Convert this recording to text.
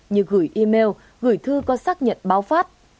như gửi email gửi thư có xác nhận báo phát